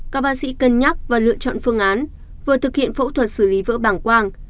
các bác sĩ cân nhắc và lựa chọn phương án vừa thực hiện phẫu thuật xử lý vỡ bảng quang